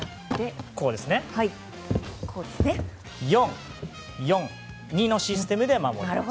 ４−４−２のシステムで守ります。